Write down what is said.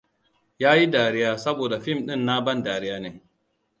Yayi dariya saboda fim din na ban dariya ne.